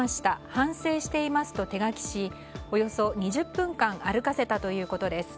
反省していますと手書きしおよそ２０分間歩かせたということです。